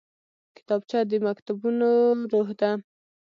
کتابچه د مکتبونو روح ده